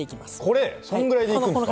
これ⁉そんぐらいでいくんですか？